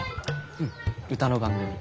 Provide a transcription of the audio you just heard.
うん歌の番組。